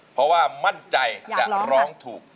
เพราะว่ามั่นใจจะร้องถูก